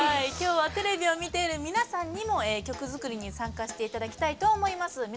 きょうはテレビを見ている皆さんにも曲作りに参加していただきたいと思います。